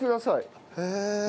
へえ。